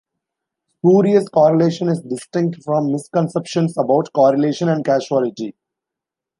Spurious correlation is distinct from misconceptions about correlation and causality.